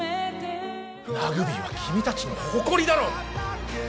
ラグビーは君たちの誇りだろ！